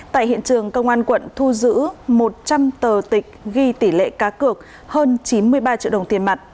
tại hiện trường công an quận thu giữ một trăm linh tờ tịch ghi tỷ lệ cá cược hơn chín mươi ba triệu đồng tiền mặt